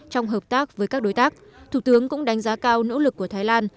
trong hợp tác với các đối tác thủ tướng cũng đánh giá cao nỗ lực của thái lan